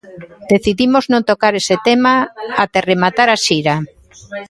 Decidimos non tocar ese tema até rematar a xira.